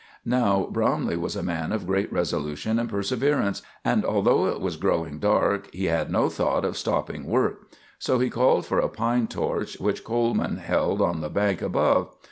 Now, Bromley was a man of great resolution and perseverance, and although it was growing dark he had no thought of stopping work; so he called for a pine torch, which Coleman held on the bank above.